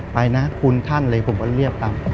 ไปนะคุณท่านเลยผมก็เรียบตาม